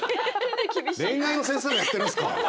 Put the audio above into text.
恋愛の先生もやってるんすか？